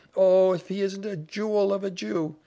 Oh! if he isn't a jewel of a Jew!